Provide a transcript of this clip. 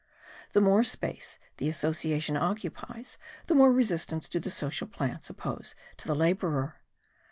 The more space the association occupies the more resistance do the social plants oppose to the labourer.